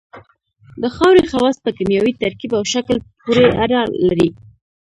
د خاورې خواص په کیمیاوي ترکیب او شکل پورې اړه لري